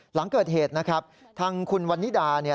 หลังเกิดเหตุนะครับทางคุณวันนิดาเนี่ย